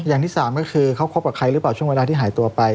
อย่างที่สามก็คือเขาคบกับใครหรือเปล่าช่วงเวลาที่หายตัวไป